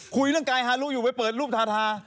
คุยเรื่องกายฮารุอยู่ไปเปิดรูปทาทา